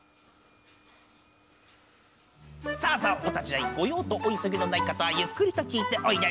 さあさあお立ち会いご用とお急ぎのない方はゆっくりと聞いておいで。